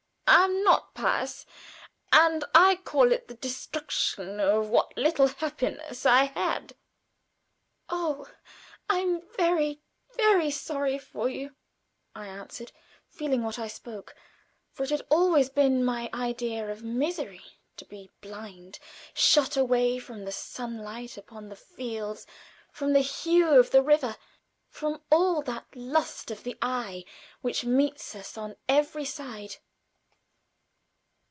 I am not pious, and I call it the destruction of what little happiness I had." "Oh, I am very, very sorry for you," I answered, feeling what I spoke, for it had always been my idea of misery to be blind shut away from the sunlight upon the fields, from the hue of the river, from all that "lust of the eye" which meets us on every side.